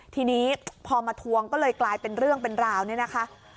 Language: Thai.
ทีนี้พอมาทวงก็เลยกลายเป็นเรื่องเป็นราวเนี่ยนะคะ